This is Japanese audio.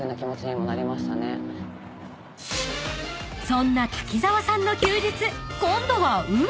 ［そんな滝沢さんの休日］